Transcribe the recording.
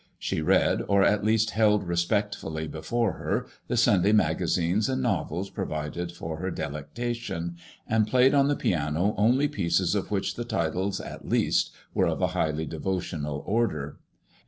She read, or at least held respectfully before her, the Sunday magazines and novels provided for her delectation, and played on the piano only pieces of which the titles at least were of a highly devotional order.